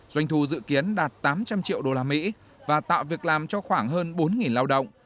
doanh thù dự kiến đạt tám trăm linh triệu đô la mỹ và tạo việc làm cho khoảng hơn bốn lao động